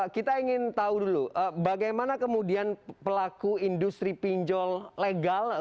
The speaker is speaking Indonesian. kita ingin tahu dulu bagaimana kemudian pelaku industri pinjol legal